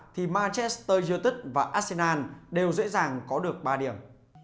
thì manchester united và arsenal đều dễ dàng có được ba điểm